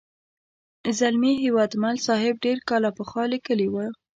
زلمي هیوادمل صاحب ډېر کاله پخوا لیکلې وه.